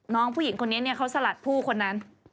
น้องผู้หญิงคนนี้เขาสลัดผู้คนนั้น